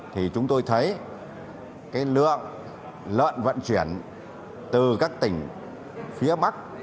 thì chúng tôi thấy cái lượng lợn vận chuyển từ các tỉnh phía bắc